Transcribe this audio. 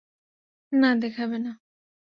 না, দেখাবে না।